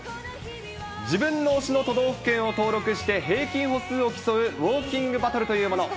自分の推しの都道府県を登録して、平均歩数を競うウオーキングバトルというもの。